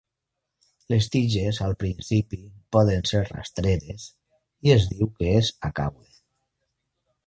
Les tiges al principi poden ser rastreres i es diu que és acaule.